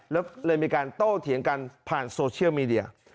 แล้วเลยมีการโต้เถียงกันผ่านโซเชียลมีเดีย